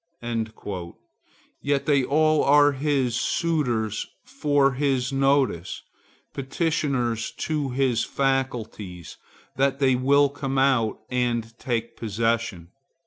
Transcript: Yet they all are his, suitors for his notice, petitioners to his faculties that they will come out and take possession.